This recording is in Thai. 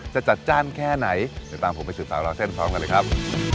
จะจัดจ้านแค่ไหนเดี๋ยวตามผมไปสืบสาวราวเส้นพร้อมกันเลยครับ